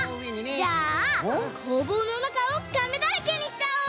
あっじゃあこうぼうのなかをカメだらけにしちゃおう！